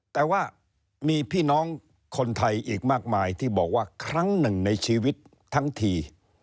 แต่ว่ามีพี่น้องคนไทยอีกมากมายที่บอกว่าครั้งหนึ่งในชีวิตทั้งที